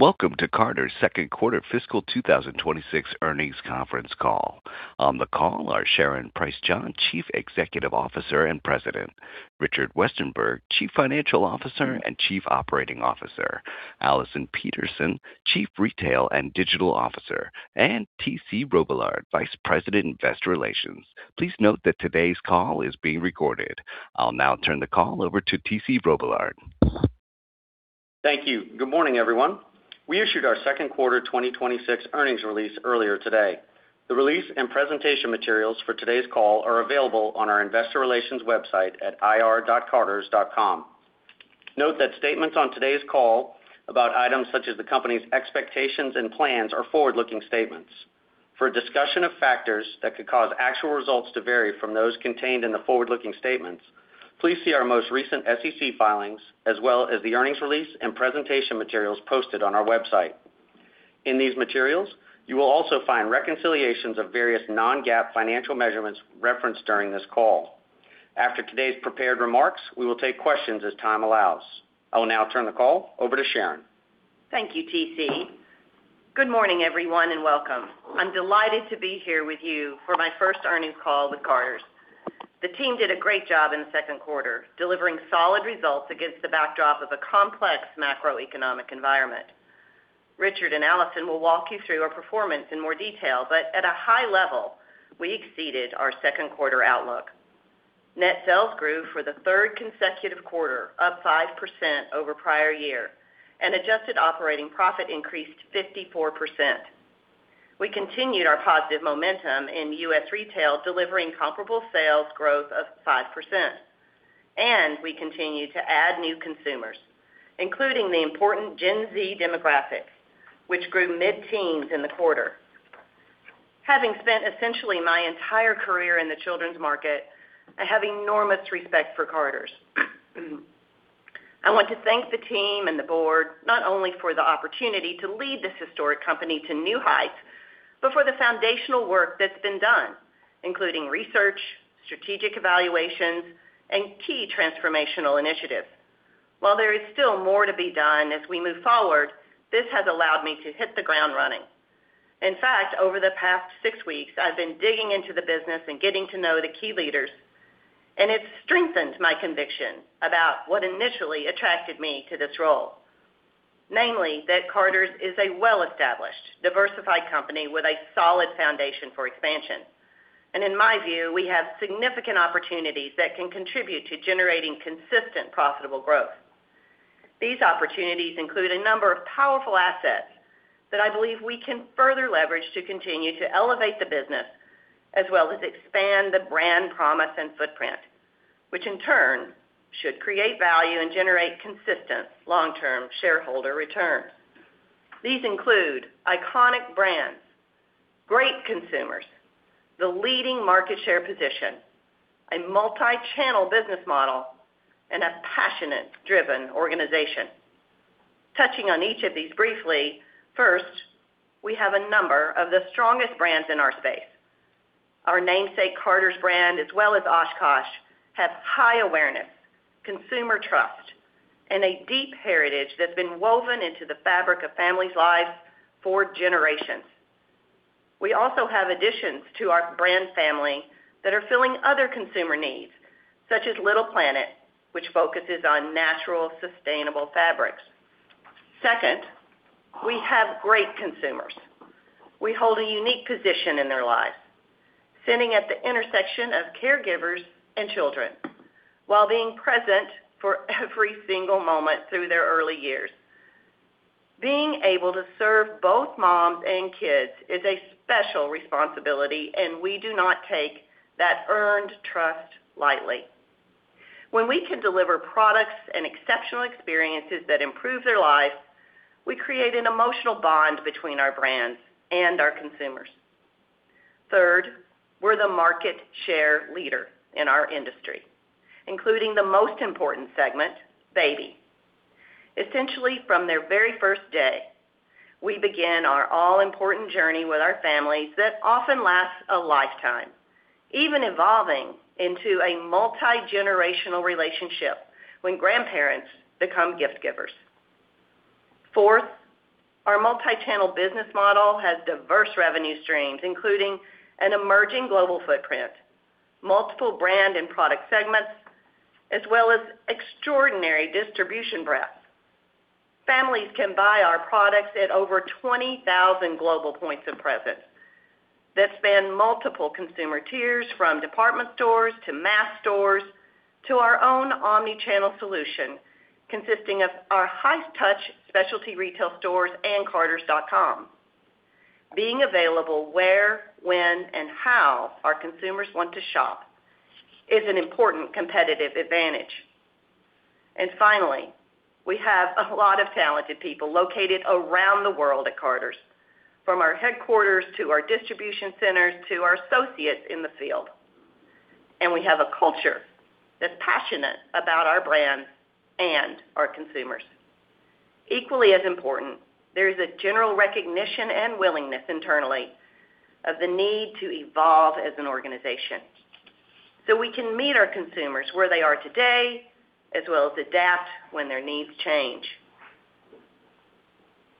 Welcome to Carter's second quarter fiscal 2026 earnings conference call. On the call are Sharon Price John, Chief Executive Officer and President. Richard Westenberger, Chief Financial Officer & Chief Operating Officer. Allison Peterson, Chief Retail & Digital Officer, and T.C. Robillard, Vice President, Investor Relations. Please note that today's call is being recorded. I'll now turn the call over to T.C. Robillard. Thank you. Good morning, everyone. We issued our second quarter 2026 earnings release earlier today. The release and presentation materials for today's call are available on our investor relations website at ir.carters.com. Note that statements on today's call about items such as the company's expectations and plans are forward-looking statements. For a discussion of factors that could cause actual results to vary from those contained in the forward-looking statements, please see our most recent SEC filings, as well as the earnings release and presentation materials posted on our website. In these materials, you will also find reconciliations of various non-GAAP financial measurements referenced during this call. After today's prepared remarks, we will take questions as time allows. I will now turn the call over to Sharon. Thank you, T.C. Good morning, everyone. Welcome. I'm delighted to be here with you for my first earnings call with Carter's. The team did a great job in the second quarter, delivering solid results against the backdrop of a complex macroeconomic environment. Richard and Allison will walk you through our performance in more detail. At a high level, we exceeded our second quarter outlook. Net sales grew for the third consecutive quarter, up 5% over prior year, adjusted operating profit increased 54%. We continued our positive momentum in U.S. retail, delivering comparable sales growth of 5%. We continue to add new consumers, including the important Gen Z demographic, which grew mid-teens in the quarter. Having spent essentially my entire career in the children's market, I have enormous respect for Carter's. I want to thank the team and the board, not only for the opportunity to lead this historic company to new heights, but for the foundational work that's been done, including research, strategic evaluations, and key transformational initiatives. While there is still more to be done as we move forward, this has allowed me to hit the ground running. In fact, over the past six weeks, I've been digging into the business and getting to know the key leaders, and it's strengthened my conviction about what initially attracted me to this role. Namely, that Carter's is a well-established, diversified company with a solid foundation for expansion. In my view, we have significant opportunities that can contribute to generating consistent, profitable growth. These opportunities include a number of powerful assets that I believe we can further leverage to continue to elevate the business as well as expand the brand promise and footprint, which in turn should create value and generate consistent long-term shareholder returns. These include iconic brands, great consumers, the leading market share position, a multi-channel business model, and a passionate, driven organization. Touching on each of these briefly, first, we have a number of the strongest brands in our space. Our namesake Carter's brand, as well as OshKosh, have high awareness, consumer trust, and a deep heritage that's been woven into the fabric of families' lives for generations. We also have additions to our brand family that are filling other consumer needs, such as Little Planet, which focuses on natural, sustainable fabrics. Second, we have great consumers. We hold a unique position in their lives, sitting at the intersection of caregivers and children while being present for every single moment through their early years. Being able to serve both moms and kids is a special responsibility, and we do not take that earned trust lightly. When we can deliver products and exceptional experiences that improve their lives, we create an emotional bond between our brands and our consumers. Third, we're the market share leader in our industry, including the most important segment, baby. Essentially from their very first day, we begin our all-important journey with our families that often lasts a lifetime, even evolving into a multi-generational relationship when grandparents become gift-givers. Fourth, our multi-channel business model has diverse revenue streams, including an emerging global footprint, multiple brand and product segments, as well as extraordinary distribution breadth. Families can buy our products at over 20,000 global points of presence that span multiple consumer tiers, from department stores to mass stores to our own omni-channel solution, consisting of our highest touch specialty retail stores and carters.com. Being available where, when, and how our consumers want to shop is an important competitive advantage. Finally, we have a lot of talented people located around the world at Carter's, from our headquarters to our distribution centers to our associates in the field. We have a culture that's passionate about our brands and our consumers. Equally as important, there is a general recognition and willingness internally of the need to evolve as an organization. We can meet our consumers where they are today, as well as adapt when their needs change.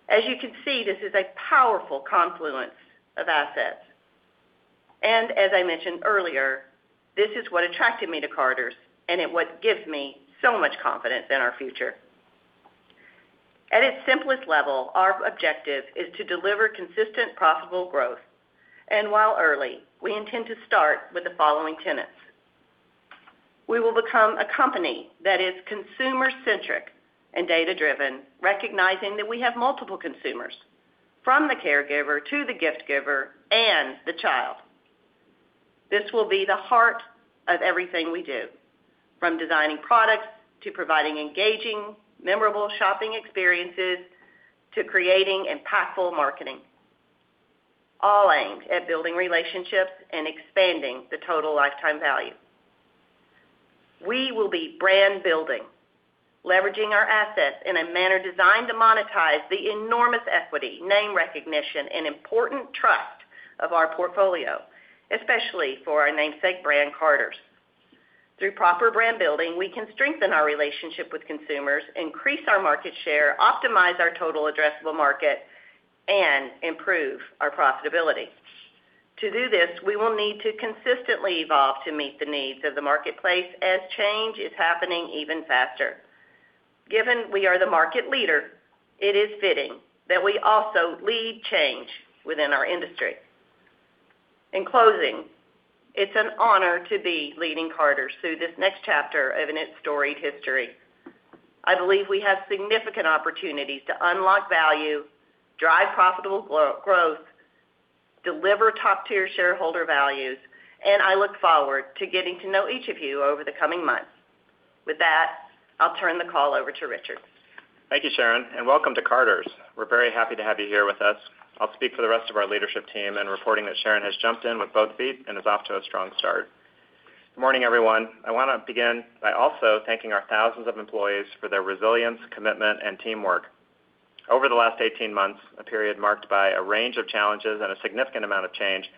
As you can see, this is a powerful confluence of assets. As I mentioned earlier, this is what attracted me to Carter's, and it what gives me so much confidence in our future. At its simplest level, our objective is to deliver consistent, profitable growth. While early, we intend to start with the following tenets. We will become a company that is consumer centric and data-driven, recognizing that we have multiple consumers, from the caregiver to the gift giver and the child. This will be the heart of everything we do, from designing products, to providing engaging, memorable shopping experiences, to creating impactful marketing, all aimed at building relationships and expanding the total lifetime value. We will be brand building, leveraging our assets in a manner designed to monetize the enormous equity, name recognition, and important trust of our portfolio, especially for our namesake brand, Carter's. Through proper brand building, we can strengthen our relationship with consumers, increase our market share, optimize our total addressable market, and improve our profitability. To do this, we will need to consistently evolve to meet the needs of the marketplace as change is happening even faster. Given we are the market leader, it is fitting that we also lead change within our industry. In closing, it's an honor to be leading Carter's through this next chapter of its storied history. I believe we have significant opportunities to unlock value, drive profitable growth, deliver top-tier shareholder values, and I look forward to getting to know each of you over the coming months. With that, I'll turn the call over to Richard. Thank you, Sharon, and welcome to Carter's. We're very happy to have you here with us. I'll speak for the rest of our leadership team in reporting that Sharon has jumped in with both feet and is off to a strong start. Good morning, everyone. I want to begin by also thanking our thousands of employees for their resilience, commitment, and teamwork. Over the last 18 months, a period marked by a range of challenges and a significant amount of change,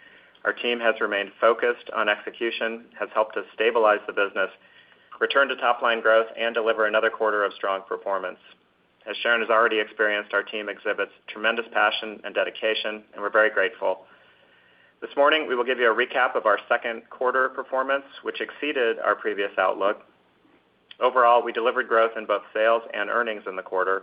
our team has remained focused on execution, has helped us stabilize the business, return to top-line growth, and deliver another quarter of strong performance. As Sharon has already experienced, our team exhibits tremendous passion and dedication, and we're very grateful. This morning, we will give you a recap of our second quarter performance, which exceeded our previous outlook. Overall, we delivered growth in both sales and earnings in the quarter,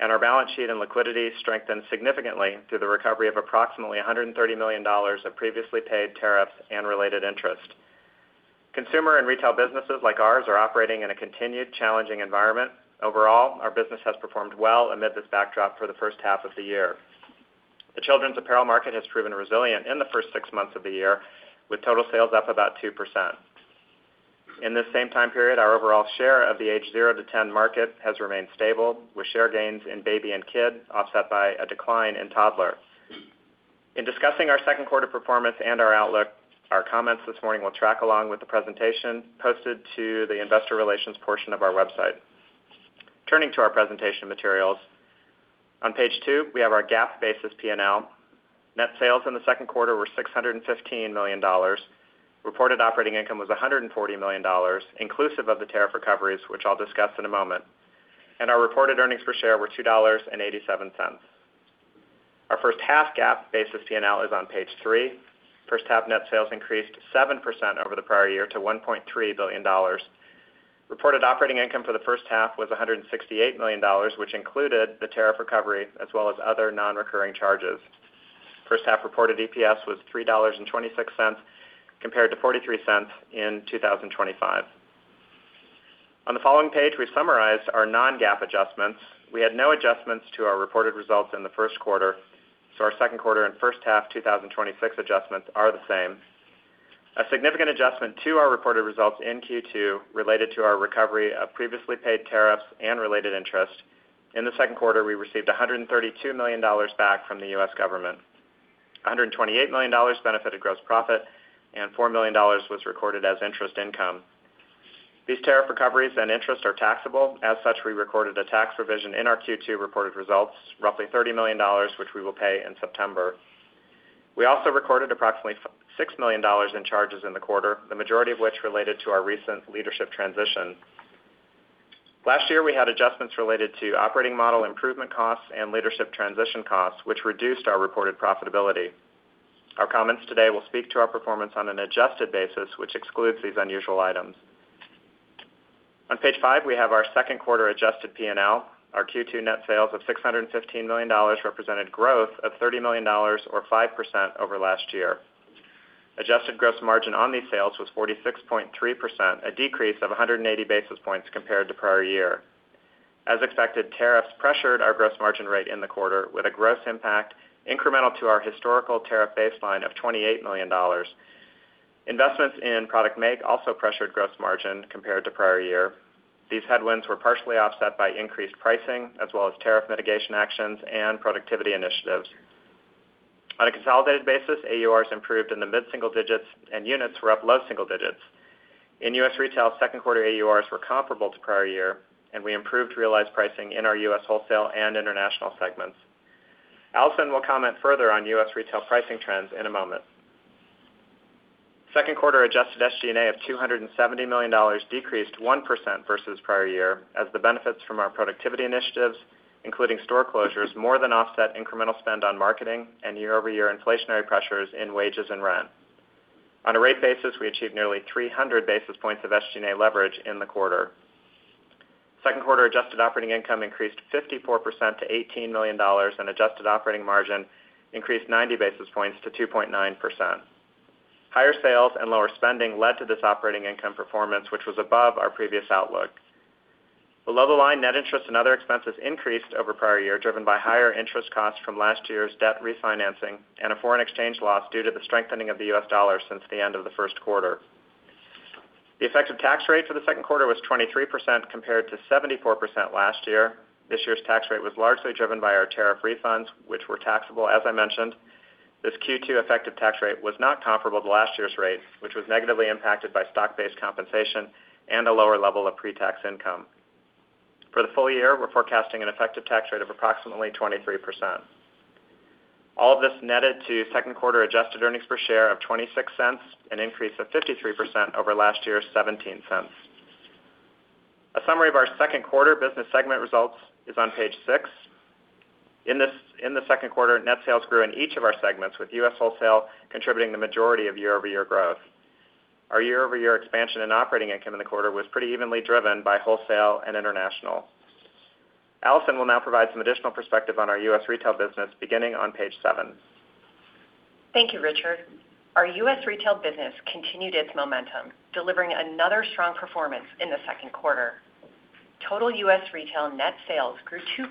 and our balance sheet and liquidity strengthened significantly through the recovery of approximately $130 million of previously paid tariffs and related interest. Consumer and retail businesses like ours are operating in a continued challenging environment. Overall, our business has performed well amid this backdrop for the first half of the year. The children's apparel market has proven resilient in the first six months of the year, with total sales up about 2%. In this same time period, our overall share of the age 0 to 10 market has remained stable, with share gains in baby and kid offset by a decline in toddler. In discussing our second quarter performance and our outlook, our comments this morning will track along with the presentation posted to the investor relations portion of our website. Turning to our presentation materials, on page two, we have our GAAP basis P&L. Net sales in the second quarter were $615 million. Reported operating income was $140 million, inclusive of the tariff recoveries, which I'll discuss in a moment. Our reported earnings per share were $2.87. Our first half GAAP basis P&L is on page three. First half net sales increased 7% over the prior year to $1.3 billion. Reported operating income for the first half was $168 million, which included the tariff recovery as well as other non-recurring charges. First half reported EPS was $3.26, compared to $0.43 in 2025. On the following page, we summarize our non-GAAP adjustments. We had no adjustments to our reported results in the first quarter, so our second quarter and first half 2026 adjustments are the same. A significant adjustment to our reported results in Q2 related to our recovery of previously paid tariffs and related interest. In the second quarter, we received $132 million back from the U.S. government. $128 million benefited gross profit, and $4 million was recorded as interest income. These tariff recoveries and interest are taxable. As such, we recorded a tax revision in our Q2 reported results, roughly $30 million, which we will pay in September. We also recorded approximately $6 million in charges in the quarter, the majority of which related to our recent leadership transition. Last year, we had adjustments related to operating model improvement costs and leadership transition costs, which reduced our reported profitability. Our comments today will speak to our performance on an adjusted basis, which excludes these unusual items. On page five, we have our second quarter adjusted P&L. Our Q2 net sales of $615 million represented growth of $30 million or 5% over last year. Adjusted gross margin on these sales was 46.3%, a decrease of 180 basis points compared to prior year. As expected, tariffs pressured our gross margin rate in the quarter with a gross impact incremental to our historical tariff baseline of $28 million. Investments in product make also pressured gross margin compared to prior year. These headwinds were partially offset by increased pricing as well as tariff mitigation actions and productivity initiatives. On a consolidated basis, AURs improved in the mid-single digits and units were up low single digits. In U.S. retail, second quarter AURs were comparable to prior year, and we improved realized pricing in our U.S. wholesale and international segments. Allison will comment further on U.S. retail pricing trends in a moment. Second quarter adjusted SG&A of $270 million decreased 1% versus prior year as the benefits from our productivity initiatives, including store closures, more than offset incremental spend on marketing and year-over-year inflationary pressures in wages and rent. On a rate basis, we achieved nearly 300 basis points of SG&A leverage in the quarter. Second quarter adjusted operating income increased 54% to $18 million and adjusted operating margin increased 90 basis points to 2.9%. Higher sales and lower spending led to this operating income performance, which was above our previous outlook. Below-the-line net interest and other expenses increased over prior years, driven by higher interest costs from last year's debt refinancing and a foreign exchange loss due to the strengthening of the U.S. dollar since the end of the first quarter. The effective tax rate for the second quarter was 23% compared to 74% last year. This year's tax rate was largely driven by our tariff refunds, which were taxable, as I mentioned. This Q2 effective tax rate was not comparable to last year's rate, which was negatively impacted by stock-based compensation and a lower level of pre-tax income. For the full year, we're forecasting an effective tax rate of approximately 23%. All of this netted to second quarter adjusted earnings per share of $0.26, an increase of 53% over last year's $0.17. A summary of our second quarter business segment results is on page six. In the second quarter, net sales grew in each of our segments, with U.S. wholesale contributing the majority of year-over-year growth. Our year-over-year expansion and operating income in the quarter was pretty evenly driven by wholesale and international. Allison will now provide some additional perspective on our U.S. retail business beginning on page seven. Thank you, Richard. Our U.S. retail business continued its momentum, delivering another strong performance in the second quarter. Total U.S. retail net sales grew 2%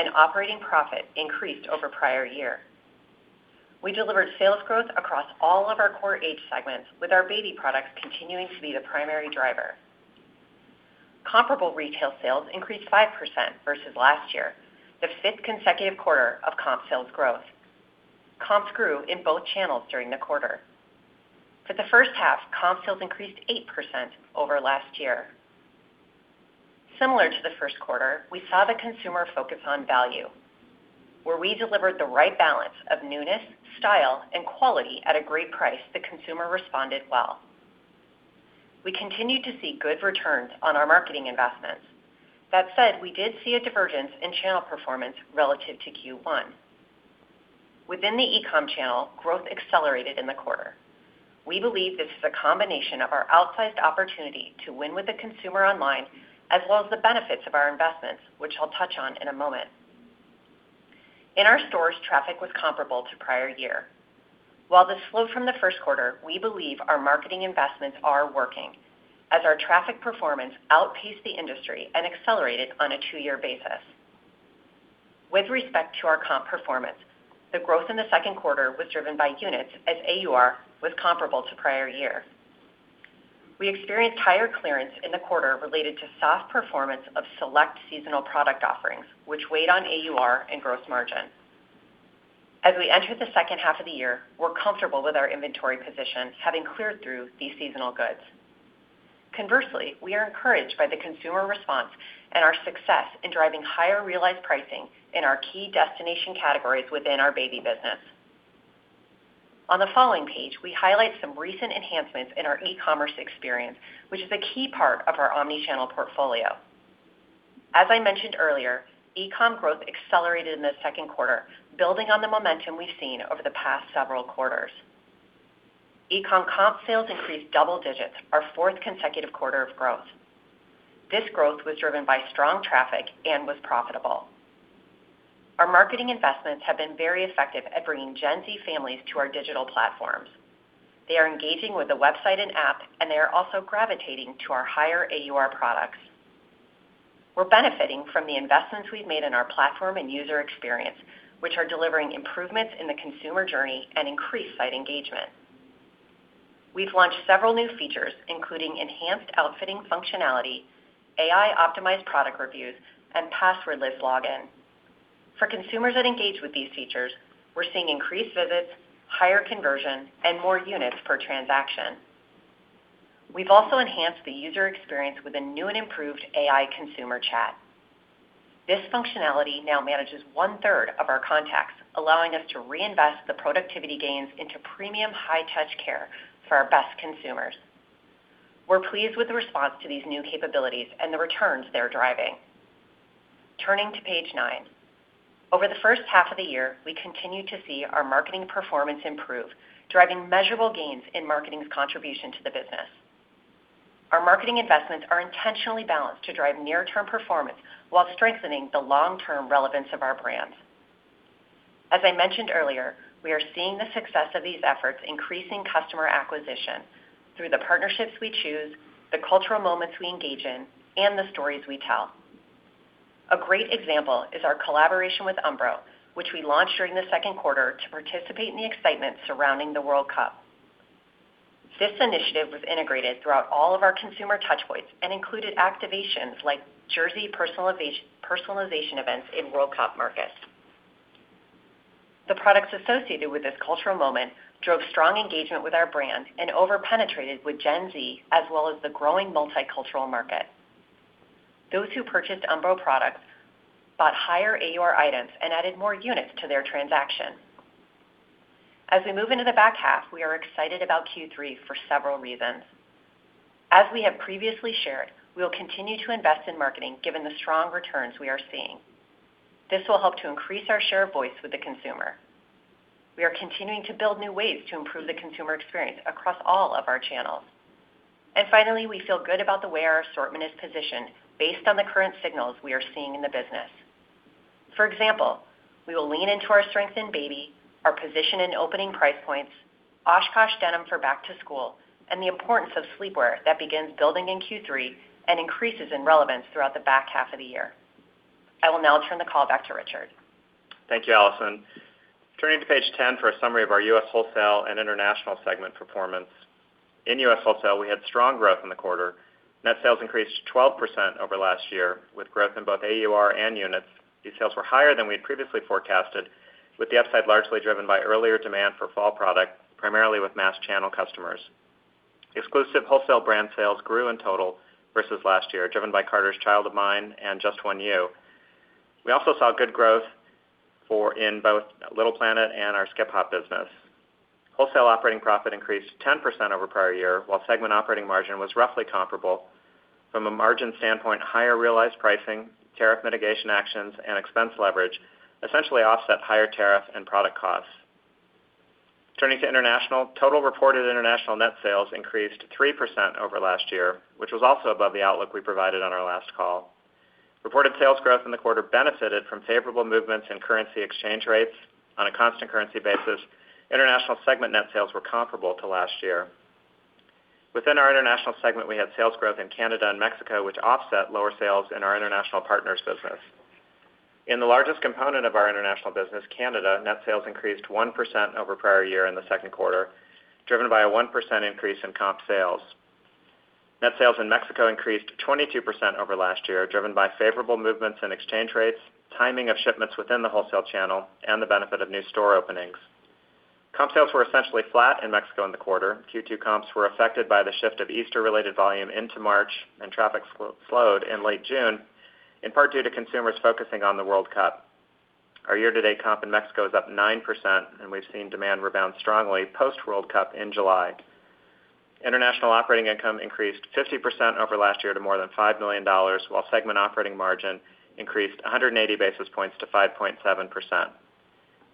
and operating profit increased over prior year. We delivered sales growth across all of our core age segments, with our baby products continuing to be the primary driver. Comparable retail sales increased 5% versus last year, the fifth consecutive quarter of comp sales growth. Comps grew in both channels during the quarter. For the first half, comp sales increased 8% over last year. Similar to the first quarter, we saw the consumer focus on value. Where we delivered the right balance of newness, style, and quality at a great price, the consumer responded well. We continued to see good returns on our marketing investments. That said, we did see a divergence in channel performance relative to Q1. Within the e-com channel, growth accelerated in the quarter. We believe this is a combination of our outsized opportunity to win with the consumer online, as well as the benefits of our investments, which I'll touch on in a moment. In our stores, traffic was comparable to prior year. While this slowed from the first quarter, we believe our marketing investments are working as our traffic performance outpaced the industry and accelerated on a two-year basis. With respect to our comp performance, the growth in the second quarter was driven by units as AUR was comparable to prior year. We experienced higher clearance in the quarter related to soft performance of select seasonal product offerings, which weighed on AUR and gross margin. As we enter the second half of the year, we're comfortable with our inventory position, having cleared through these seasonal goods. Conversely, we are encouraged by the consumer response and our success in driving higher realized pricing in our key destination categories within our baby business. On the following page, we highlight some recent enhancements in our e-commerce experience, which is a key part of our omnichannel portfolio. As I mentioned earlier, e-com growth accelerated in the second quarter, building on the momentum we've seen over the past several quarters. E-com comp sales increased double digits, our fourth consecutive quarter of growth. This growth was driven by strong traffic and was profitable. Our marketing investments have been very effective at bringing Gen Z families to our digital platforms. They are engaging with the website and app, and they are also gravitating to our higher AUR products. We're benefiting from the investments we've made in our platform and user experience, which are delivering improvements in the consumer journey and increased site engagement. We've launched several new features, including enhanced outfitting functionality, AI-optimized product reviews, and passwordless login. For consumers that engage with these features, we're seeing increased visits, higher conversion, and more units per transaction. We've also enhanced the user experience with a new and improved AI consumer chat. This functionality now manages one-third of our contacts, allowing us to reinvest the productivity gains into premium high-touch care for our best consumers. We're pleased with the response to these new capabilities and the returns they're driving. Turning to page nine. Over the first half of the year, we continued to see our marketing performance improve, driving measurable gains in marketing's contribution to the business. Our marketing investments are intentionally balanced to drive near-term performance while strengthening the long-term relevance of our brands. As I mentioned earlier, we are seeing the success of these efforts increasing customer acquisition through the partnerships we choose, the cultural moments we engage in, and the stories we tell. A great example is our collaboration with Umbro, which we launched during the second quarter to participate in the excitement surrounding the World Cup. This initiative was integrated throughout all of our consumer touchpoints and included activations like jersey personalization events in World Cup markets. The products associated with this cultural moment drove strong engagement with our brand and over-penetrated with Gen Z as well as the growing multicultural market. Those who purchased Umbro products bought higher AUR items and added more units to their transaction. As we move into the back half, we are excited about Q3 for several reasons. As we have previously shared, we will continue to invest in marketing given the strong returns we are seeing. This will help to increase our share of voice with the consumer. We are continuing to build new ways to improve the consumer experience across all of our channels. Finally, we feel good about the way our assortment is positioned based on the current signals we are seeing in the business. For example, we will lean into our strength in baby, our position in opening price points, OshKosh denim for back to school, and the importance of sleepwear that begins building in Q3 and increases in relevance throughout the back half of the year. I will now turn the call back to Richard. Thank you, Allison. Turning to page 10 for a summary of our U.S. wholesale and international segment performance. In U.S. wholesale, we had strong growth in the quarter. Net sales increased 12% over last year, with growth in both AUR and units. These sales were higher than we had previously forecasted, with the upside largely driven by earlier demand for fall product, primarily with mass channel customers. Exclusive wholesale brand sales grew in total versus last year, driven by Carter's Child of Mine and Just One You. We also saw good growth in both Little Planet and our Skip Hop business. Wholesale operating profit increased 10% over prior year, while segment operating margin was roughly comparable. From a margin standpoint, higher realized pricing, tariff mitigation actions, and expense leverage essentially offset higher tariff and product costs. Turning to international, total reported international net sales increased 3% over last year, which was also above the outlook we provided on our last call. Reported sales growth in the quarter benefited from favorable movements in currency exchange rates. On a constant currency basis, international segment net sales were comparable to last year. Within our international segment, we had sales growth in Canada and Mexico, which offset lower sales in our international partners business. In the largest component of our international business, Canada, net sales increased 1% over prior year in the second quarter, driven by a 1% increase in comp sales. Net sales in Mexico increased 22% over last year, driven by favorable movements in exchange rates, timing of shipments within the wholesale channel, and the benefit of new store openings. Comp sales were essentially flat in Mexico in the quarter. Q2 comps were affected by the shift of Easter-related volume into March, and traffic slowed in late June, in part due to consumers focusing on the World Cup. Our year-to-date comp in Mexico is up 9%, and we've seen demand rebound strongly post-World Cup in July. International operating income increased 50% over last year to more than $5 million, while segment operating margin increased 180 basis points to 5.7%.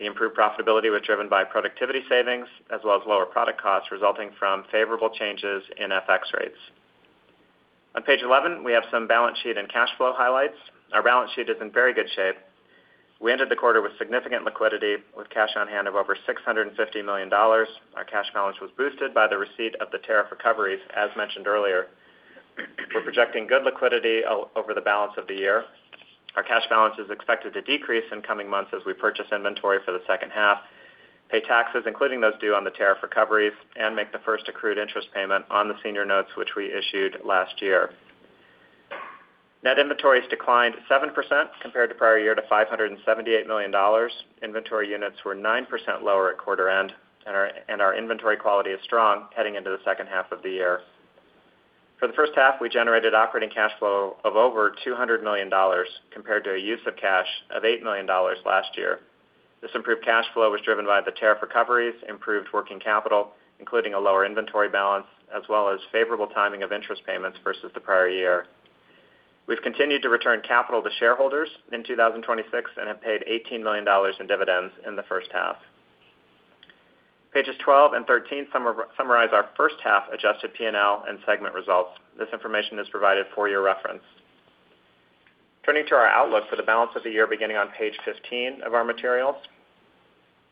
The improved profitability was driven by productivity savings as well as lower product costs resulting from favorable changes in FX rates. On page 11, we have some balance sheet and cash flow highlights. Our balance sheet is in very good shape. We ended the quarter with significant liquidity, with cash on hand of over $650 million. Our cash balance was boosted by the receipt of the tariff recoveries, as mentioned earlier. We're projecting good liquidity over the balance of the year. Our cash balance is expected to decrease in coming months as we purchase inventory for the second half, pay taxes, including those due on the tariff recoveries, and make the first accrued interest payment on the senior notes, which we issued last year. Net inventories declined 7% compared to prior year to $578 million. Inventory units were 9% lower at quarter end, and our inventory quality is strong heading into the second half of the year. For the first half, we generated operating cash flow of over $200 million, compared to a use of cash of $8 million last year. This improved cash flow was driven by the tariff recoveries, improved working capital, including a lower inventory balance, as well as favorable timing of interest payments versus the prior year. We've continued to return capital to shareholders in 2026 and have paid $18 million in dividends in the first half. Pages 12 and 13 summarize our first half adjusted P&L and segment results. This information is provided for your reference. Turning to our outlook for the balance of the year, beginning on page 15 of our materials.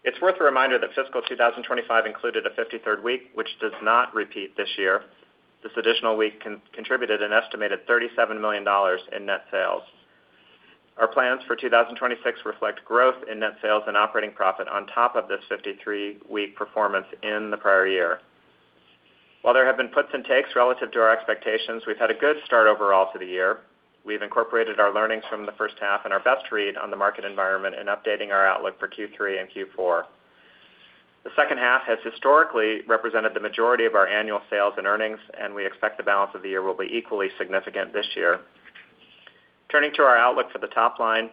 It's worth a reminder that fiscal 2025 included a 53rd week, which does not repeat this year. This additional week contributed an estimated $37 million in net sales. Our plans for 2026 reflect growth in net sales and operating profit on top of this 53-week performance in the prior year. While there have been puts and takes relative to our expectations, we've had a good start overall to the year. We've incorporated our learnings from the first half and our best read on the market environment in updating our outlook for Q3 and Q4. The second half has historically represented the majority of our annual sales and earnings. We expect the balance of the year will be equally significant this year. Turning to our outlook for the top line,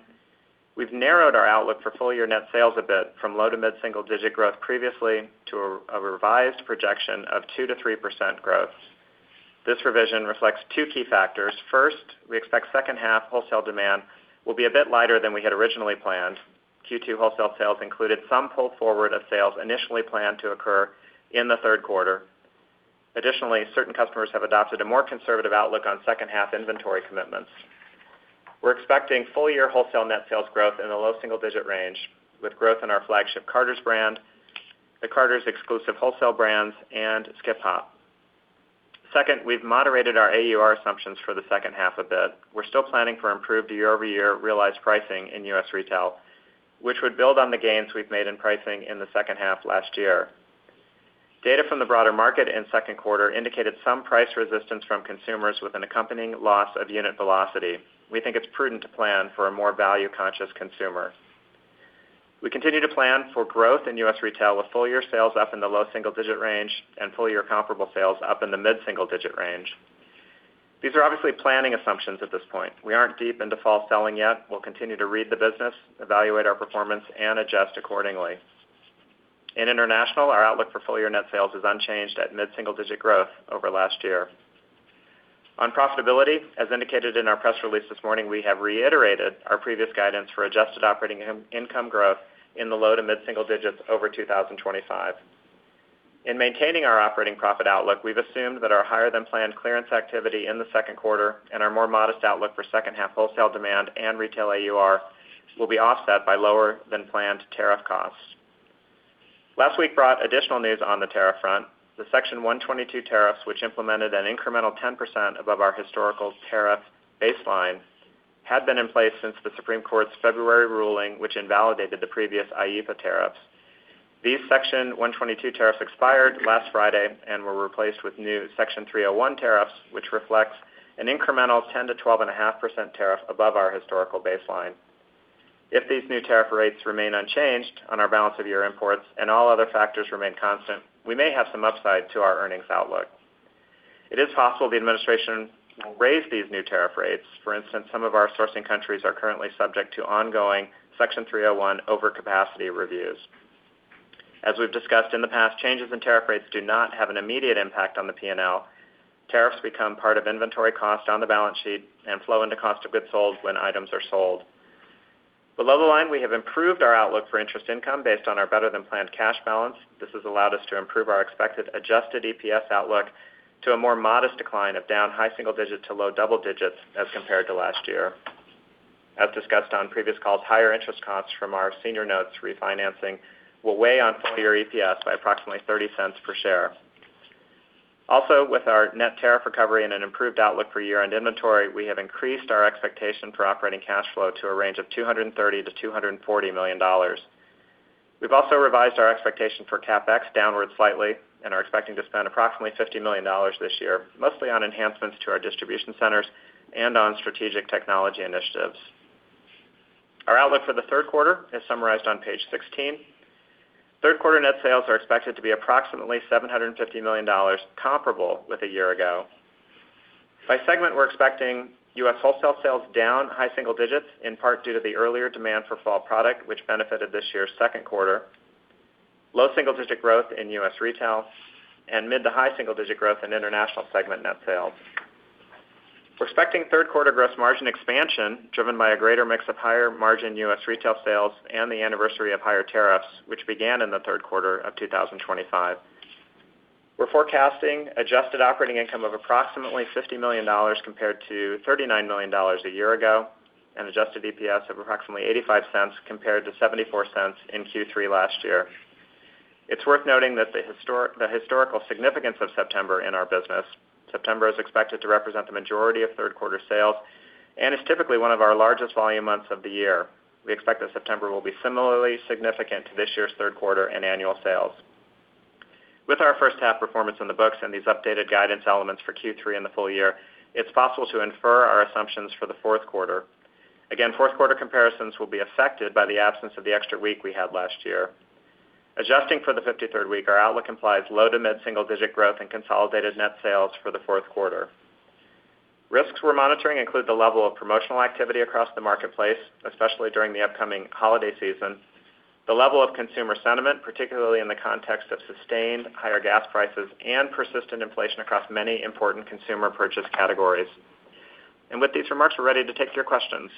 we've narrowed our outlook for full-year net sales a bit from low to mid-single digit growth previously to a revised projection of 2%-3% growth. This revision reflects two key factors. First, we expect second half wholesale demand will be a bit lighter than we had originally planned. Q2 wholesale sales included some pull forward of sales initially planned to occur in the third quarter. Additionally, certain customers have adopted a more conservative outlook on second half inventory commitments. We're expecting full-year wholesale net sales growth in the low single-digit range, with growth in our flagship Carter's brand, the Carter's exclusive wholesale brands, and Skip Hop. Second, we've moderated our AUR assumptions for the second half a bit. We're still planning for improved year-over-year realized pricing in U.S. retail, which would build on the gains we've made in pricing in the second half last year. Data from the broader market in second quarter indicated some price resistance from consumers with an accompanying loss of unit velocity. We think it's prudent to plan for a more value-conscious consumer. We continue to plan for growth in U.S. retail, with full-year sales up in the low single-digit range and full-year comparable sales up in the mid-single digit range. These are obviously planning assumptions at this point. We aren't deep into fall selling yet. We'll continue to read the business, evaluate our performance, and adjust accordingly. In international, our outlook for full-year net sales is unchanged at mid-single digit growth over last year. On profitability, as indicated in our press release this morning, we have reiterated our previous guidance for adjusted operating income growth in the low to mid-single digits over 2025. In maintaining our operating profit outlook, we've assumed that our higher-than-planned clearance activity in the second quarter and our more modest outlook for second half wholesale demand and retail AUR will be offset by lower than planned tariff costs. Last week brought additional news on the tariff front. The Section 122 tariffs, which implemented an incremental 10% above our historical tariff baseline, had been in place since the Supreme Court's February ruling, which invalidated the previous IEEPA tariffs. These Section 122 tariffs expired last Friday and were replaced with new Section 301 tariffs, which reflects an incremental 10%-12.5% tariff above our historical baseline. If these new tariff rates remain unchanged on our balance of year imports and all other factors remain constant, we may have some upside to our earnings outlook. It is possible the administration will raise these new tariff rates. For instance, some of our sourcing countries are currently subject to ongoing Section 301 overcapacity reviews. As we've discussed in the past, changes in tariff rates do not have an immediate impact on the P&L. Tariffs become part of inventory cost on the balance sheet and flow into cost of goods sold when items are sold. Below the line, we have improved our outlook for interest income based on our better-than-planned cash balance. This has allowed us to improve our expected adjusted EPS outlook to a more modest decline of down high single-digits to low double-digits as compared to last year. As discussed on previous calls, higher interest costs from our senior notes refinancing will weigh on full year EPS by approximately $0.30 per share. Also, with our net tariff recovery and an improved outlook for year-end inventory, we have increased our expectation for operating cash flow to a range of $230 million-$240 million. We've also revised our expectation for CapEx downward slightly and are expecting to spend approximately $50 million this year, mostly on enhancements to our distribution centers and on strategic technology initiatives. Our outlook for the third quarter is summarized on page 16. Third quarter net sales are expected to be approximately $750 million comparable with a year ago. By segment, we're expecting U.S. wholesale sales down high single digits, in part due to the earlier demand for fall product, which benefited this year's second quarter, low single-digit growth in U.S. retail, and mid to high single-digit growth in international segment net sales. We're expecting third quarter gross margin expansion driven by a greater mix of higher margin U.S. retail sales and the anniversary of higher tariffs, which began in the third quarter of 2025. We're forecasting adjusted operating income of approximately $50 million compared to $39 million a year ago, and adjusted EPS of approximately $0.85 compared to $0.74 in Q3 last year. It's worth noting the historical significance of September in our business. September is expected to represent the majority of third quarter sales and is typically one of our largest volume months of the year. We expect that September will be similarly significant to this year's third quarter and annual sales. With our first half performance on the books and these updated guidance elements for Q3 and the full year, it's possible to infer our assumptions for the fourth quarter. Again, fourth quarter comparisons will be affected by the absence of the extra week we had last year. Adjusting for the 53rd week, our outlook implies low to mid-single digit growth in consolidated net sales for the fourth quarter. Risks we're monitoring include the level of promotional activity across the marketplace, especially during the upcoming holiday season, the level of consumer sentiment, particularly in the context of sustained higher gas prices, and persistent inflation across many important consumer purchase categories. With these remarks, we're ready to take your questions.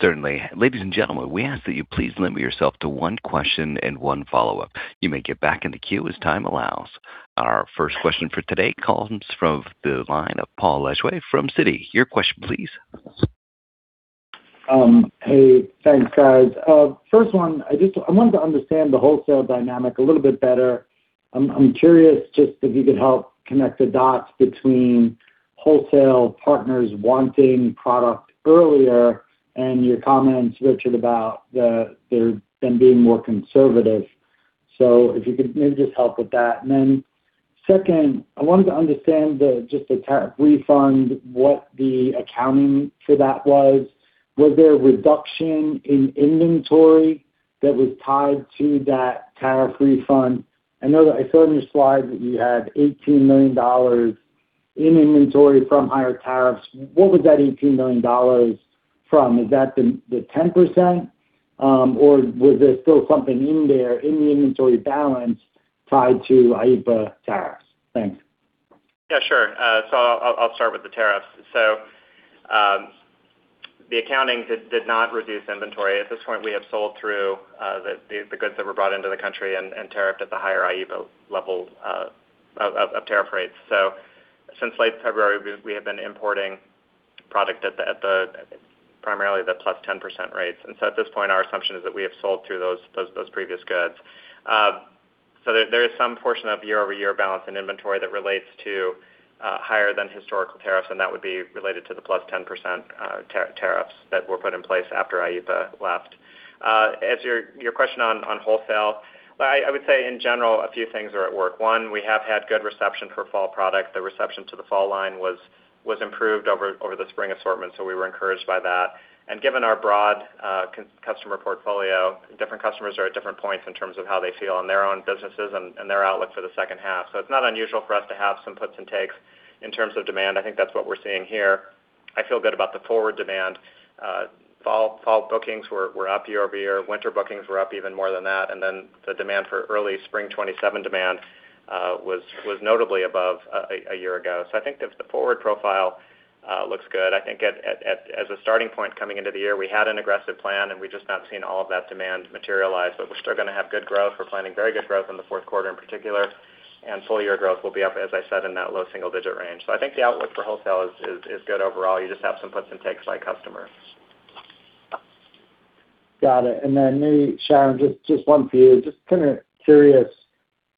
Certainly. Ladies and gentlemen, we ask that you please limit yourself to one question and one follow-up. You may get back in the queue as time allows. Our first question for today comes from the line of Paul Lejuez from Citi. Your question, please. Hey, thanks, guys. First one, I wanted to understand the wholesale dynamic a little bit better. I'm curious just if you could help connect the dots between wholesale partners wanting product earlier and your comments, Richard, about them being more conservative. If you could maybe just help with that. Then second, I wanted to understand just the tariff refund, what the accounting for that was. Was there a reduction in inventory that was tied to that tariff refund? I saw in your slide that you had $18 million in inventory from higher tariffs. What was that $18 million from? Is that the 10%, or was there still something in there in the inventory balance tied to IEEPA tariffs? Thanks. Yeah, sure. I'll start with the tariffs. The accounting did not reduce inventory. At this point, we have sold through the goods that were brought into the country and tariffed at the higher IEEPA level of tariff rates. Since late February, we have been importing product at primarily the +10% rates. At this point, our assumption is that we have sold through those previous goods. There is some portion of year-over-year balance in inventory that relates to higher than historical tariffs, and that would be related to the +10% tariffs that were put in place after IEEPA lapsed. As your question on wholesale, I would say in general, a few things are at work. One, we have had good reception for fall products. The reception to the fall line was improved over the spring assortment, so we were encouraged by that. Given our broad customer portfolio, different customers are at different points in terms of how they feel in their own businesses and their outlook for the second half. It's not unusual for us to have some puts and takes in terms of demand. I think that's what we're seeing here. I feel good about the forward demand. Fall bookings were up year-over-year. Winter bookings were up even more than that. The demand for early spring 2027 demand was notably above a year ago. I think the forward profile looks good. I think as a starting point coming into the year, we had an aggressive plan, and we've just not seen all of that demand materialize. We're still going to have good growth. We're planning very good growth in the fourth quarter in particular, and full year growth will be up, as I said, in that low single-digit range. I think the outlook for wholesale is good overall. You just have some puts and takes by customers. Got it. Maybe, Sharon, just one for you. Just curious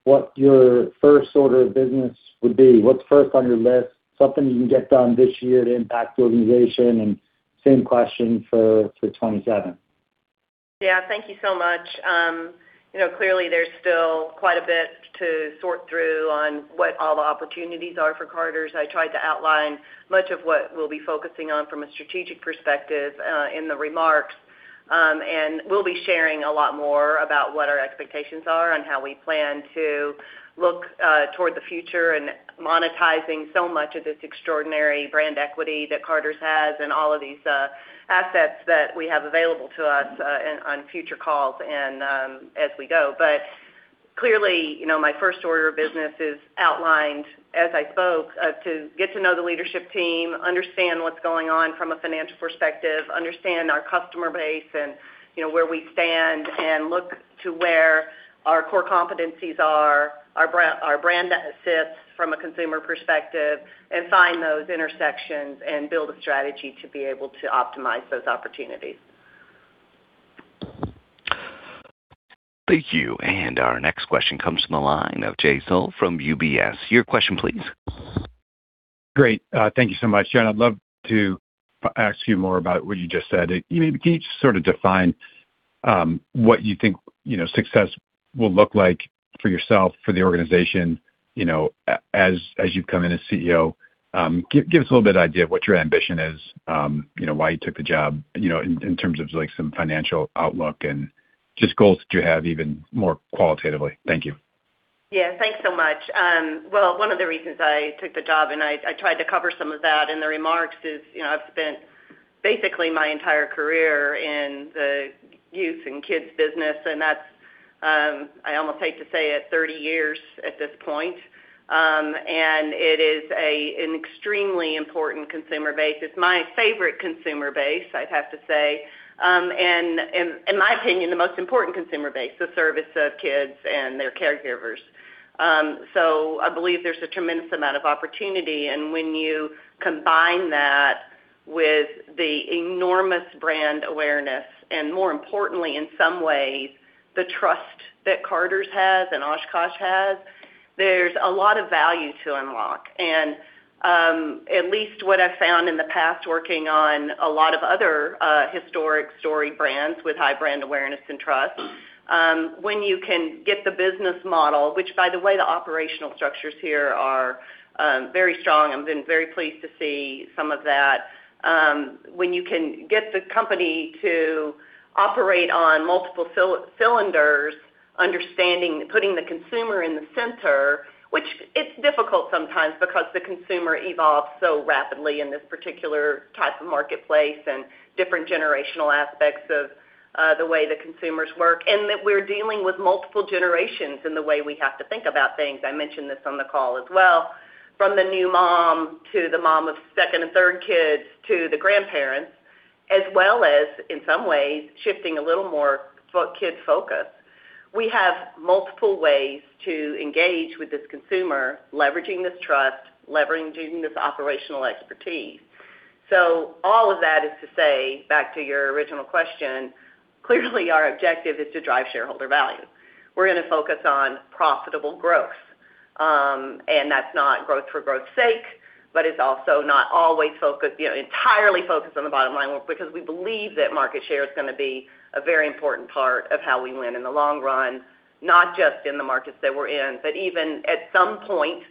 what your first order of business would be. What's first on your list? Something you can get done this year to impact the organization. Same question for 2027. Yeah, thank you so much. Clearly, there's still quite a bit to sort through on what all the opportunities are for Carter's. I tried to outline much of what we'll be focusing on from a strategic perspective in the remarks. We'll be sharing a lot more about what our expectations are and how we plan to look toward the future and monetizing so much of this extraordinary brand equity that Carter's has and all of these assets that we have available to us on future calls and as we go. Clearly, my first order of business is outlined as I spoke, to get to know the leadership team, understand what's going on from a financial perspective, understand our customer base and where we stand and look to where our core competencies are, our brand assets from a consumer perspective, and find those intersections and build a strategy to be able to optimize those opportunities. Thank you. Our next question comes from the line of Jay Sole from UBS. Your question, please. Great. Thank you so much. Sharon, I'd love to ask you more about what you just said. Can you just define what you think success will look like for yourself, for the organization, as you come in as CEO? Give us a little bit of idea of what your ambition is, why you took the job, in terms of some financial outlook and just goals that you have even more qualitatively. Thank you. Thanks so much. One of the reasons I took the job, and I tried to cover some of that in the remarks, is I've spent basically my entire career in the youth and kids business, and that's, I almost hate to say it, 30 years at this point. It is an extremely important consumer base. It's my favorite consumer base, I'd have to say. In my opinion, the most important consumer base, the service of kids and their caregivers. I believe there's a tremendous amount of opportunity. When you combine that with the enormous brand awareness and more importantly, in some ways, the trust that Carter's has and OshKosh has, there's a lot of value to unlock. At least what I've found in the past, working on a lot of other historic story brands with high brand awareness and trust. When you can get the business model, which, by the way, the operational structures here are very strong. I've been very pleased to see some of that. When you can get the company to operate on multiple cylinders, understanding, putting the consumer in the center, which it's difficult sometimes because the consumer evolves so rapidly in this particular type of marketplace and different generational aspects of the way the consumers work, and that we're dealing with multiple generations in the way we have to think about things. I mentioned this on the call as well, from the new mom to the mom of second and third kids to the grandparents, as well as, in some ways, shifting a little more kid focused. We have multiple ways to engage with this consumer, leveraging this trust, leveraging this operational expertise. All of that is to say, back to your original question, clearly our objective is to drive shareholder value. We're going to focus on profitable growth. That's not growth for growth's sake, but it's also not always entirely focused on the bottom line, because we believe that market share is going to be a very important part of how we win in the long run, not just in the markets that we're in, but even at some point,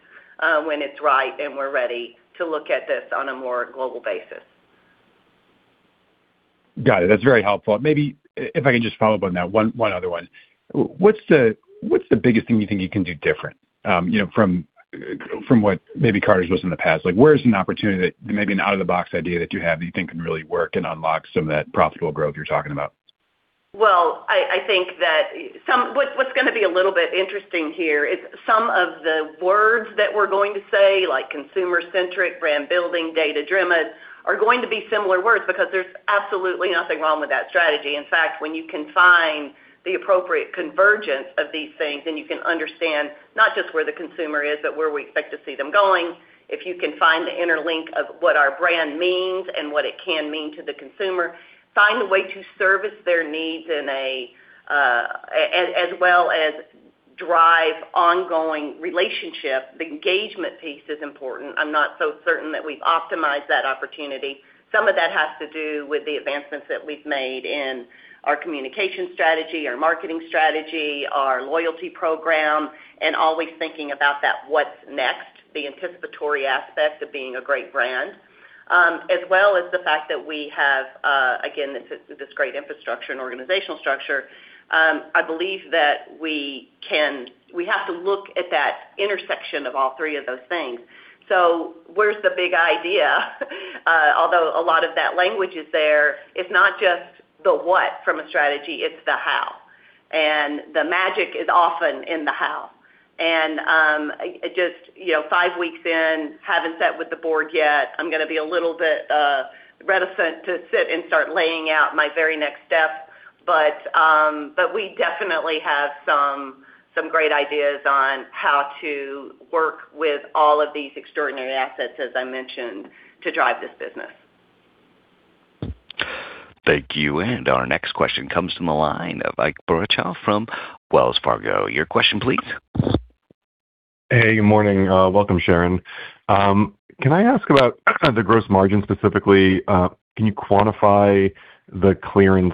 when it's right and we're ready to look at this on a more global basis. Got it. That's very helpful. Maybe if I can just follow up on that, one other one. What's the biggest thing you think you can do different from what maybe Carter's was in the past? Where is an opportunity that maybe an out-of-the-box idea that you have that you think can really work and unlock some of that profitable growth you're talking about? Well, I think that what's going to be a little bit interesting here is some of the words that we're going to say, like consumer-centric, brand building, data-driven, are going to be similar words because there's absolutely nothing wrong with that strategy. In fact, when you can find the appropriate convergence of these things, and you can understand not just where the consumer is, but where we expect to see them going, if you can find the interlink of what our brand means and what it can mean to the consumer, find a way to service their needs as well as drive ongoing relationship, the engagement piece is important. I'm not so certain that we've optimized that opportunity. Some of that has to do with the advancements that we've made in our communication strategy, our marketing strategy, our loyalty program, always thinking about that "what's next," the anticipatory aspect of being a great brand, as well as the fact that we have, again, this great infrastructure and organizational structure. I believe that we have to look at that intersection of all three of those things. Where's the big idea? Although a lot of that language is there, it's not just the what from a strategy, it's the how, and the magic is often in the how. Just five weeks in, haven't sat with the board yet. I'm going to be a little bit reticent to sit and start laying out my very next steps. We definitely have some great ideas on how to work with all of these extraordinary assets, as I mentioned, to drive this business. Thank you. Our next question comes from the line of Ike Boruchow from Wells Fargo. Your question, please. Hey, good morning. Welcome, Sharon. Can I ask about the gross margin specifically? Can you quantify the clearance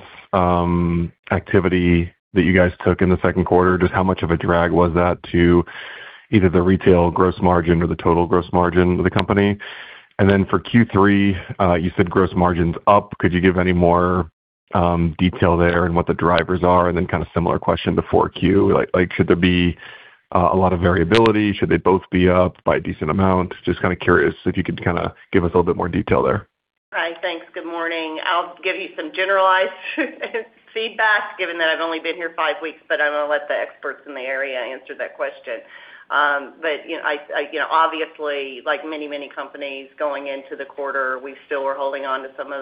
activity that you guys took in the second quarter? Just how much of a drag was that to either the retail gross margin or the total gross margin of the company? For Q3, you said gross margin's up. Could you give any more detail there and what the drivers are? Similar question to 4Q. Should there be a lot of variability? Should they both be up by a decent amount? Just curious if you could give us a little bit more detail there. Hi. Thanks. Good morning. I'll give you some generalized feedback, given that I've only been here five weeks, but I'm going to let the experts in the area answer that question. Obviously, like many companies going into the quarter, we still were holding onto some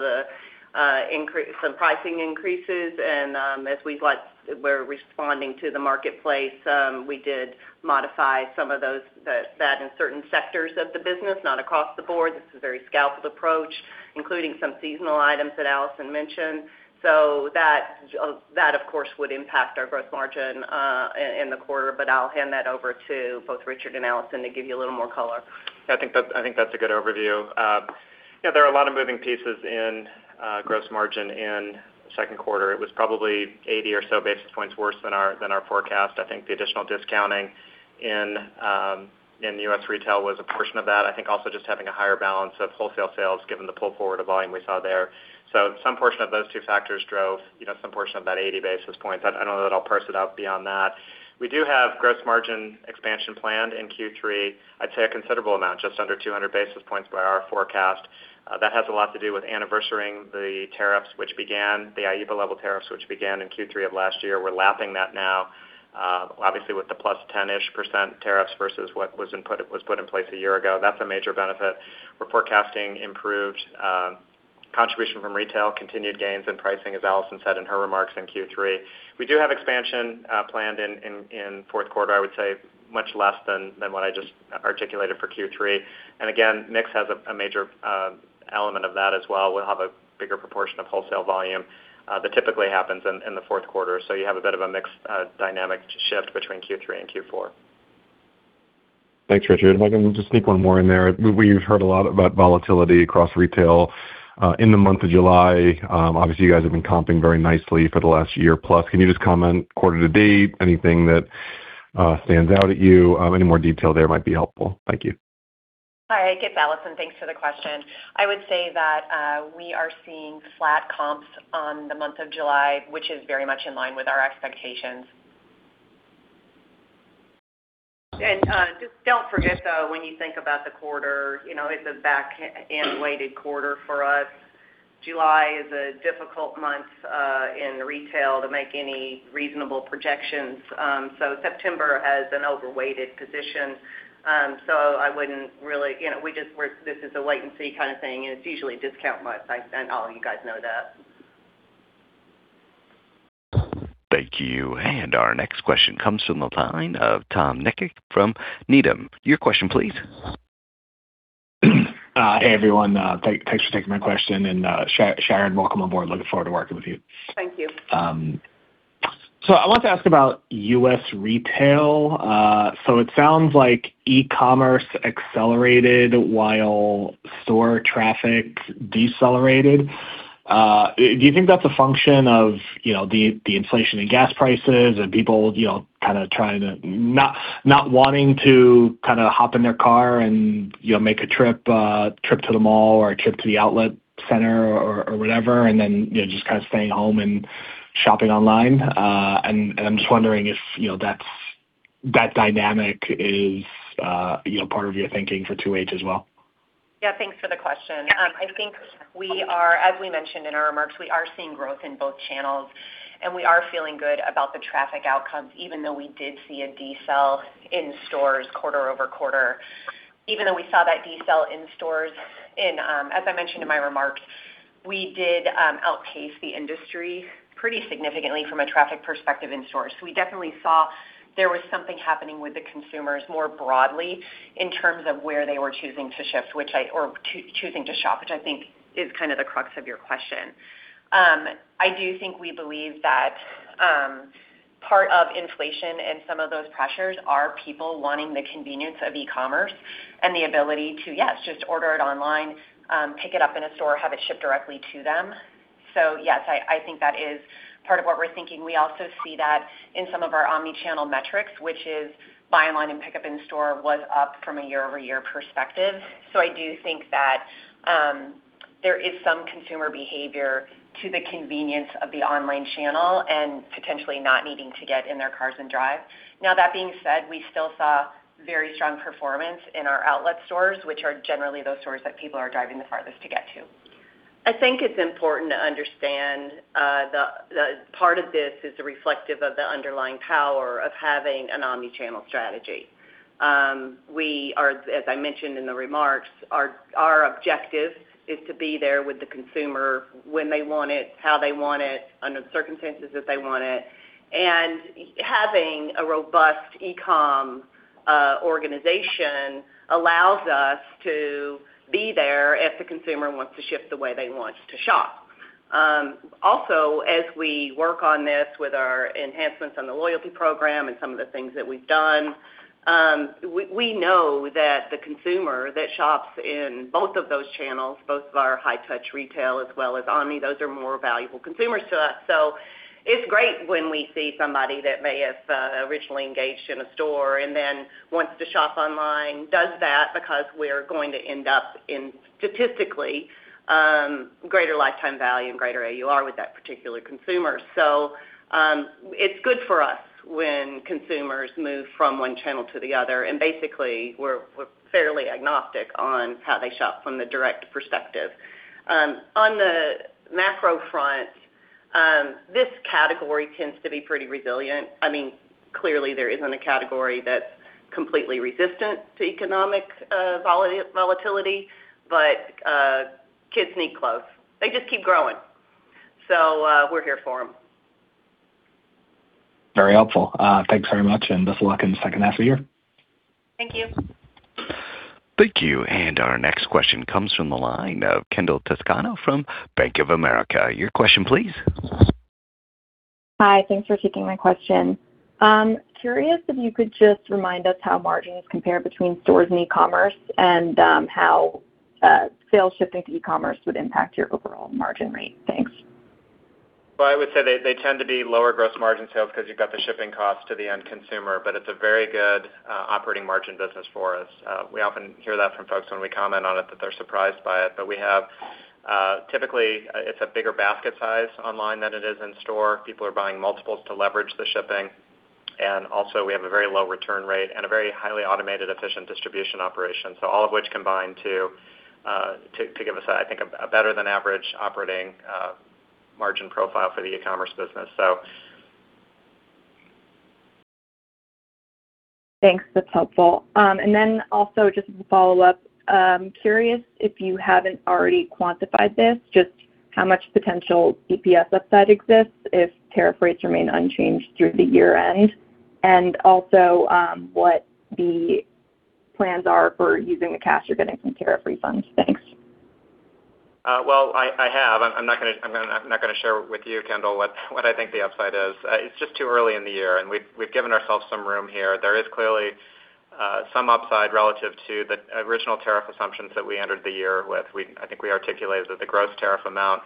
pricing increases. As we're responding to the marketplace, we did modify some of that in certain sectors of the business, not across the board. This is a very scalped approach, including some seasonal items that Allison mentioned. That, of course, would impact our gross margin in the quarter, but I'll hand that over to both Richard and Allison to give you a little more color. I think that's a good overview. There are a lot of moving pieces in gross margin in the second quarter. It was probably 80 or so basis points worse than our forecast. I think the additional discounting in U.S. retail was a portion of that. I think also just having a higher balance of wholesale sales, given the pull forward of volume we saw there. Some portion of those two factors drove some portion of that 80 basis points. I don't know that I'll parse it out beyond that. We do have gross margin expansion planned in Q3. I'd say a considerable amount, just under 200 basis points by our forecast. That has a lot to do with anniversarying the tariffs, the IEEPA level tariffs, which began in Q3 of last year. We're lapping that now, obviously with the +10%-ish tariffs versus what was put in place a year ago. That's a major benefit. We're forecasting improved contribution from retail, continued gains in pricing, as Allison said in her remarks in Q3. We do have expansion planned in fourth quarter, I would say much less than what I just articulated for Q3. Again, mix has a major element of that as well. We'll have a bigger proportion of wholesale volume that typically happens in the fourth quarter. You have a bit of a mix dynamic shift between Q3 and Q4. Thanks, Richard. If I can just sneak one more in there. We've heard a lot about volatility across retail in the month of July. Obviously, you guys have been comping very nicely for the last year plus. Can you just comment quarter to date, anything that stands out at you? Any more detail there might be helpful. Thank you. Hi, Ike. It's Allison. Thanks for the question. I would say that we are seeing flat comps on the month of July, which is very much in line with our expectations. Just don't forget, though, when you think about the quarter, it's a back-end weighted quarter for us. July is a difficult month in retail to make any reasonable projections. September has an overweighted position. This is a latency kind of thing, and it's usually a discount month. All you guys know that. Thank you. Our next question comes from the line of Tom Nikic from Needham. Your question, please. Hey, everyone. Thanks for taking my question. Sharon, welcome aboard. Looking forward to working with you. Thank you. I wanted to ask about U.S. retail. It sounds like e-commerce accelerated while store traffic decelerated. Do you think that's a function of the inflation in gas prices and people not wanting to hop in their car and make a trip to the mall or a trip to the outlet center or whatever, just staying home and shopping online? I'm just wondering if that dynamic is part of your thinking for 2H as well. Thanks for the question. I think as we mentioned in our remarks, we are seeing growth in both channels. We are feeling good about the traffic outcomes, even though we did see a decel in stores quarter-over-quarter. Even though we saw that decel in stores, as I mentioned in my remarks, we did outpace the industry pretty significantly from a traffic perspective in stores. We definitely saw there was something happening with the consumers more broadly in terms of where they were choosing to shop, which I think is the crux of your question. I do think we believe that part of inflation and some of those pressures are people wanting the convenience of e-commerce and the ability to, yes, just order it online, pick it up in a store, have it shipped directly to them. I think that is part of what we're thinking. We also see that in some of our omni-channel metrics, which is buy online and pickup in store was up from a year-over-year perspective. I do think that there is some consumer behavior to the convenience of the online channel and potentially not needing to get in their cars and drive. That being said, we still saw very strong performance in our outlet stores, which are generally those stores that people are driving the farthest to get to. I think it's important to understand that part of this is reflective of the underlying power of having an omni-channel strategy. As I mentioned in the remarks, our objective is to be there with the consumer when they want it, how they want it, under the circumstances that they want it. Having a robust e-com organization allows us to be there if the consumer wants to shift the way they want to shop. Also, as we work on this with our enhancements on the loyalty program and some of the things that we've done, we know that the consumer that shops in both of those channels, both of our high touch retail as well as omni, those are more valuable consumers to us. It's great when we see somebody that may have originally engaged in a store and then wants to shop online, does that because we're going to end up in, statistically, greater lifetime value and greater AUR with that particular consumer. It's good for us when consumers move from one channel to the other. Basically, we're fairly agnostic on how they shop from the direct perspective. On the macro front, this category tends to be pretty resilient. Clearly there isn't a category that's completely resistant to economic volatility, kids need clothes. They just keep growing. We're here for them. Very helpful. Thanks very much, and best of luck in the second half of the year. Thank you. Thank you. Our next question comes from the line of Kendall Toscano from Bank of America. Your question, please. Hi. Thanks for taking my question. Curious if you could just remind us how margins compare between stores and e-commerce and how sales shifting to e-commerce would impact your overall margin rate. Thanks. Well, I would say they tend to be lower gross margin sales because you've got the shipping cost to the end consumer, but it's a very good operating margin business for us. We often hear that from folks when we comment on it, that they're surprised by it. Typically, it's a bigger basket size online than it is in store. People are buying multiples to leverage the shipping. Also we have a very low return rate and a very highly automated efficient distribution operation. All of which combine to give us, I think, a better than average operating margin profile for the e-commerce business. Thanks. That's helpful. Curious if you haven't already quantified this, just how much potential EPS upside exists if tariff rates remain unchanged through the year end, and also what the plans are for using the cash you're getting from tariff refunds. Thanks. I have. I'm not going to share with you, Kendall, what I think the upside is. It's just too early in the year, and we've given ourselves some room here. There is clearly some upside relative to the original tariff assumptions that we entered the year with. I think we articulated that the gross tariff amount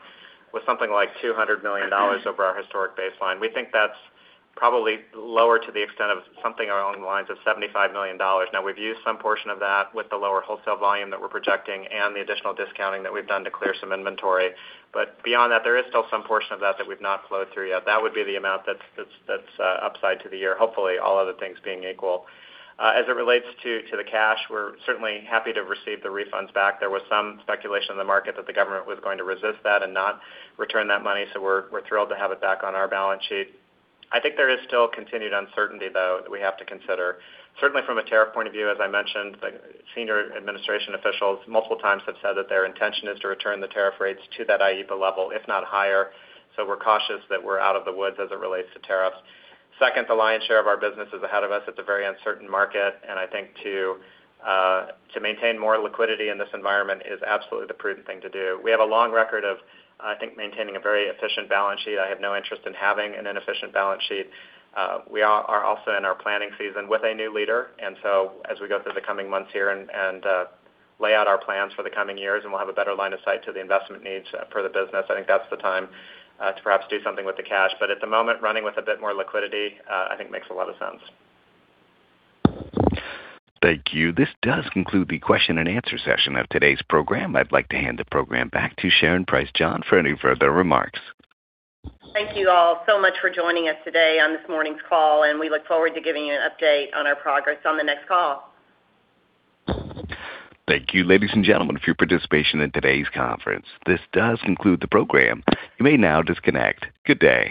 was something like $200 million over our historic baseline. We think that's probably lower to the extent of something along the lines of $75 million. We've used some portion of that with the lower wholesale volume that we're projecting and the additional discounting that we've done to clear some inventory. Beyond that, there is still some portion of that that we've not flowed through yet. That would be the amount that's upside to the year. Hopefully, all other things being equal. As it relates to the cash, we're certainly happy to receive the refunds back. There was some speculation in the market that the government was going to resist that and not return that money. We're thrilled to have it back on our balance sheet. I think there is still continued uncertainty, though, that we have to consider. Certainly, from a tariff point of view, as I mentioned, senior administration officials multiple times have said that their intention is to return the tariff rates to that IEEPA level, if not higher. We're cautious that we're out of the woods as it relates to tariffs. Second, the lion's share of our business is ahead of us. It's a very uncertain market, and I think to maintain more liquidity in this environment is absolutely the prudent thing to do. We have a long record of, I think, maintaining a very efficient balance sheet. I have no interest in having an inefficient balance sheet. We are also in our planning season with a new leader. As we go through the coming months here and lay out our plans for the coming years and we'll have a better line of sight to the investment needs for the business, I think that's the time to perhaps do something with the cash. At the moment, running with a bit more liquidity, I think makes a lot of sense. Thank you. This does conclude the question-and-answer session of today's program. I'd like to hand the program back to Sharon Price John for any further remarks. Thank you all so much for joining us today on this morning's call. We look forward to giving you an update on our progress on the next call. Thank you, ladies and gentlemen, for your participation in today's conference. This does conclude the program. You may now disconnect. Good day.